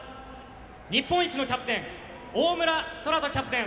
日本一のキャプテン大村昊澄キャプテン。